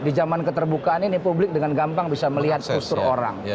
di zaman keterbukaan ini publik dengan gampang bisa melihat kultur orang